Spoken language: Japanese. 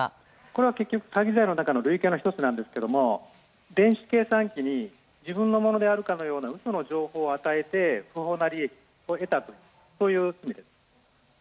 これは結局、詐欺罪の中の類型の１つなんですけど電子計算機に自分のものであるかのような嘘の情報を与えて不法な利益を得たという罪です。